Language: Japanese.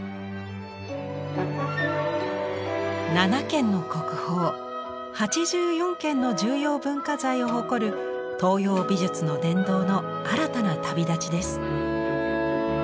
７件の国宝８４件の重要文化財を誇る東洋美術の殿堂の新たな旅立ちです。